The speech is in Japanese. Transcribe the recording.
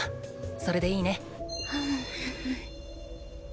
それでいいね。！